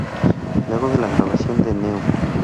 Luego de la grabación de "Neu!